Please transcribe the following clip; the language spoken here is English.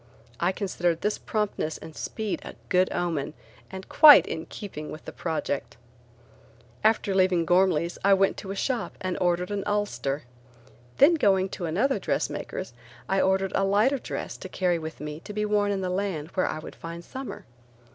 I considered this promptness and speed a good omen and quite in keeping with the project. After leaving Ghormley's I went to a shop and ordered an ulster. Then going to another dressmaker's, I ordered a lighter dress to carry with me to be worn in the land where I would find summer.